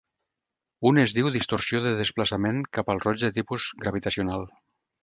Un es diu distorsió de desplaçament cap al roig de tipus gravitacional.